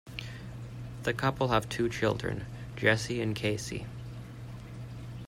The couple have two children, Jesse and Casey.